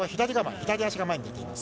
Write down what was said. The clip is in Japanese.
左足が前に出ています。